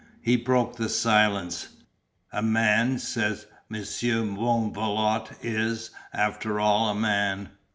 He broke the silence. "A man," said Monsieur Bonvalot, "is, after all, a man."